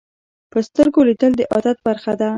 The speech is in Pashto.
په سترګو لیدل د عادت برخه ده